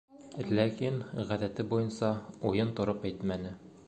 Ләкин, ғәҙәте буйынса, уйын тороп әйтмәне.